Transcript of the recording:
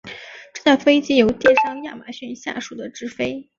这架飞机由电商亚马逊下属的执飞。